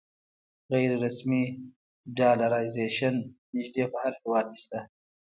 غیر رسمي ډالرایزیشن نږدې په هر هېواد کې شته.